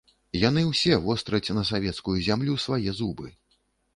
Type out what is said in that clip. Яны ўсе востраць на савецкую зямлю свае зубы.